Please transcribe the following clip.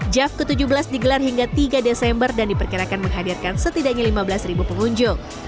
jav ke tujuh belas digelar hingga tiga desember dan diperkirakan menghadirkan setidaknya lima belas pengunjung